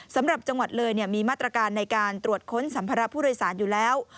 สำหรับจังหวัดเลยมีมาตรการในการตรวจค้นสัมภาระผู้โดยสารอยู่แล้ว